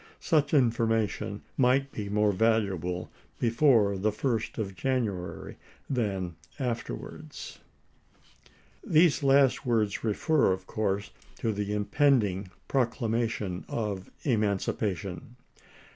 Such information might be 1862. ms. more valuable before the 1st of January than afterwards. These last words refer, of course, to the impend ing proclamation of emancipation.